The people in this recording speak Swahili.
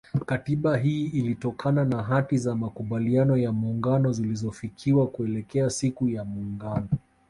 Katiba hii ilitokana na hati za makubaliano ya muungano zilizofikiwa kuelekea siku ya muungano